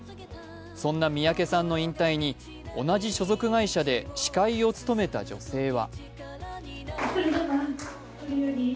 そんな三宅さんの引退に同じ所属会社で司会を務めた女性は。